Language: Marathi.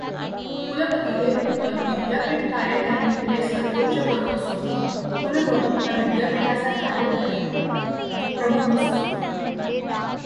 कुलपती हे पद विद्दयापीठ कार्यकारिणीतले सर्वोच्च पद असून कुलगुरू हा विद्यापीठाचा कार्यकारी प्रमुख असतो.